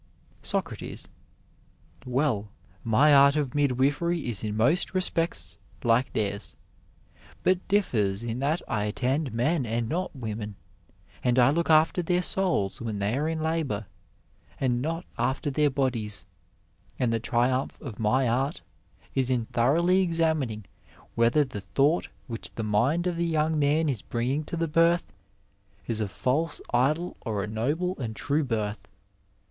8oc. Well, my art of midwifery is in most respects like theirs ; but differs in that I attend men and not women, and I look after their souls when they are in labour, and not after their bodies ; and the triumph of my art is in thoroughly examining whether the thought which the mind of the young man is bringing to the birth, is a false idol or a noble and true birth.